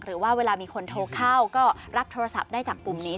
หรือว่าเวลามีคนโทรเข้าก็รับโทรศัพท์ได้จากปุ่มนี้